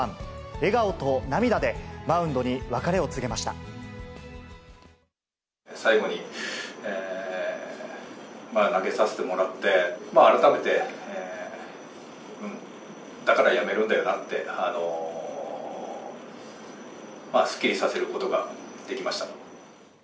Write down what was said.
笑顔と涙でマウンドに別れを告げ最後に投げさせてもらって、改めて、だから辞めるんだよなって、すっきりさせることができました。